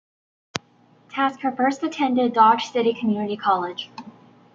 Tasker first attended Dodge City Community College.